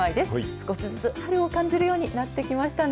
少しずつ春を感じるようになってきましたね。